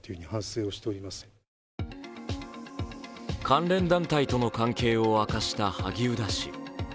関連団体との関係を明かした萩生田氏。